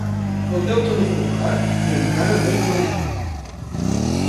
El deute no fou pagat i encara es va incrementar.